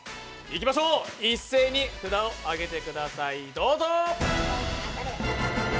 一斉に札を上げてください！